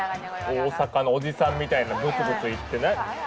大阪のおじさんみたいなぶつぶつ言って。